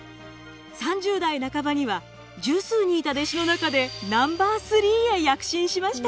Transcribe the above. ３０代半ばには十数人いた弟子の中でナンバー３へ躍進しました。